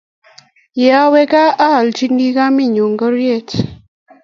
Ye awe kaa aaljini kamennyu ngoryet